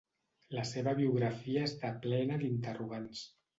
La seva biografia està plena d'interrogants.